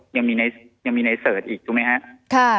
ยังมีในเสิร์ชอีกถูกไหมครับ